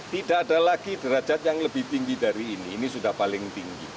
tidak ada lagi derajat yang lebih tinggi dari ini ini sudah paling tinggi